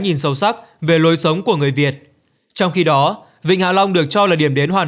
nhìn sâu sắc về lối sống của người việt trong khi đó vịnh hạ long được cho là điểm đến hoàn